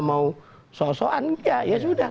mau so so enggak ya sudah